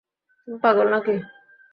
তুমি পাগল নাকি?